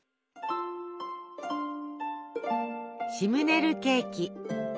シムネルケーキ。